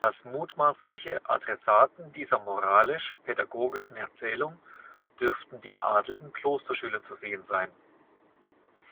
Als mutmaßliche Adressaten dieser moralisch-pädagogischen Erzählung dürften die adligen Klosterschüler zu sehen sein.